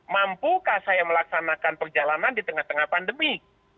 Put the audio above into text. mampukah saya melaksanakan perjalanan di tengah tengah pandemi